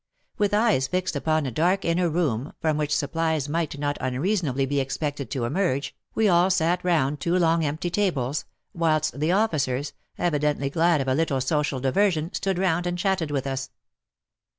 With eyes fixed upon a dark inner room, from which supplies might not unreasonably be expected to emerge, we all sat round two long empty tables, whilst the officers, evidently glad of a little social diversion, stood round and chatted with us.